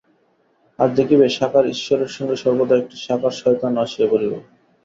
আর দেখিবে সাকার ঈশ্বরের সঙ্গে সর্বদা একটি সাকার শয়তানও আসিয়া পড়িবে।